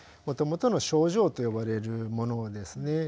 もともとの症状と呼ばれるものですね。